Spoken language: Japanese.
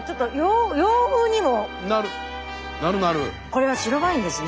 これは白ワインですね。